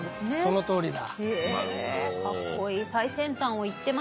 そのとおりだ。